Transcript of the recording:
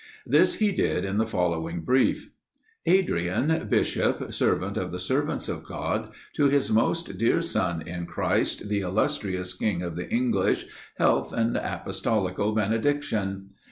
This he did in the following brief: "Adrian, bishop, servant of the servants of God, to his most dear son in Christ, the illustrious king of the English, health and apostolical benediction.